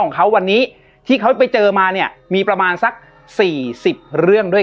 ของเขาวันนี้ที่เขาไปเจอมาเนี่ยมีประมาณสัก๔๐เรื่องด้วย